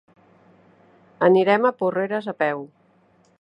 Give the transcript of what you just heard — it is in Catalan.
Anirem a Porreres a peu.